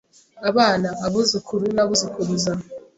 abana abuzukuru n’abuzukuruza.